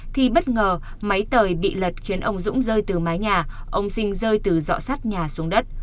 thì bất ngờ máy tời bị lật khiến ông dũng rơi từ mái nhà ông sinh rơi từ dọ sắt nhà xuống đất